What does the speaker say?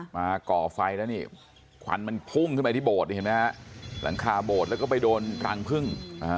มาก่อไฟแล้วนี่ขวัญมันพุ่งขึ้นไปที่โบดลังคาโบดแล้วก็ไปโดนกลางพึ่ง